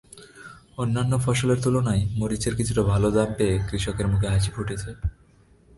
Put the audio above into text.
অন্যান্য ফসলের তুলনায় মরিচের কিছুটা ভালো দাম পেয়ে কৃষকের মুখে হাসি ফুটেছে।